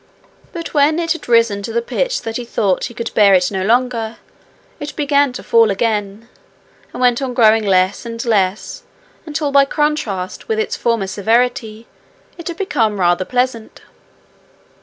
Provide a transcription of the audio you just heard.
But when it had risen to the pitch that he thought he could bear it no longer, it began to fall again, and went on growing less and less until by contrast with its former severity it had become rather pleasant.